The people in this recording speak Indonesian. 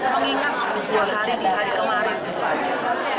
mengingat sebuah hari di hari kemarin itu aja